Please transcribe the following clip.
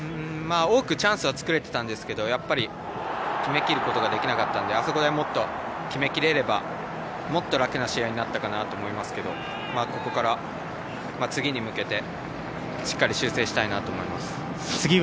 多くチャンスは作れていたんですけどやっぱり決めきることができなかったのであそこで決めきれればもっと楽な試合になったかなと思いますけどここから、次に向けてしっかり修正したいと思います。